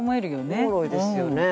おもろいですよね。